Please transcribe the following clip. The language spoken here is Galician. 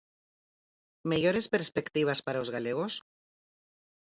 Mellores perspectivas para os galegos?